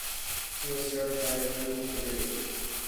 It was served by a crew of three.